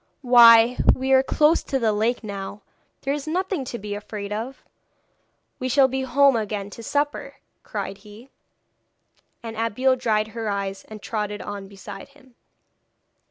'Why we are close to the lake now. There is nothing to be afraid of! We shall be home again to supper,' cried he. And Abeille dried her eyes, and trotted on beside him.